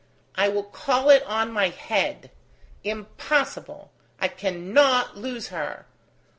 I will call it on my head. Impossible! I cannot lose her.